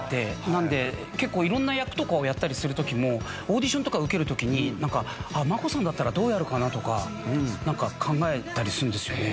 なので結構色んな役とかをやったりする時もオーディションとか受ける時になんかマコさんだったらどうやるかな？とか考えたりするんですよね。